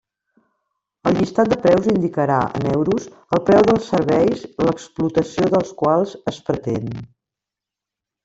El llistat de preus indicarà, en euros, el preu dels serveis l'explotació dels quals es pretén.